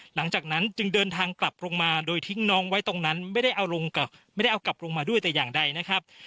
หลังจากนั้นจึงเดินทางกลับลงมาโดยทิ้งน้องไว้ตรงนั้นไม่ได้เอาลงไม่ได้เอากลับลงมาด้วยแต่อย่างใดนะครับ